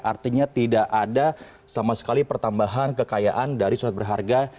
artinya tidak ada sama sekali pertambahan kekayaan dari surat berharga